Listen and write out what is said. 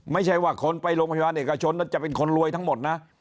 ไม่ใช่ว่าคนไปโรงพยาบาลเอกชนนั้นจะเป็นคนรวยทั้งหมดนะ